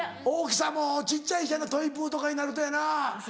大きさも小っちゃいしやなトイプーとかになるとやな。